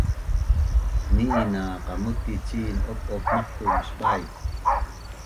ni’in na qamutic cin op’op maqtu’ musbai